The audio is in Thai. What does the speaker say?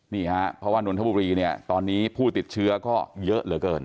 นี่ฮะเพราะว่านนทบุรีเนี่ยตอนนี้ผู้ติดเชื้อก็เยอะเหลือเกิน